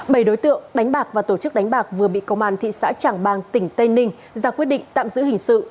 bảy đối tượng đánh bạc và tổ chức đánh bạc vừa bị công an thị xã trảng bàng tỉnh tây ninh ra quyết định tạm giữ hình sự